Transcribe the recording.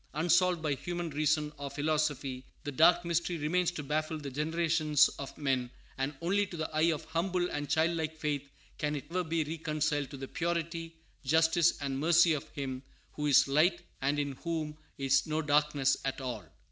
Unsolved by human reason or philosophy, the dark mystery remains to baffle the generations of men; and only to the eye of humble and childlike faith can it ever be reconciled to the purity, justice, and mercy of Him who is "light, and in whom is no darkness at all."